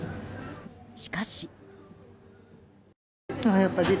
しかし。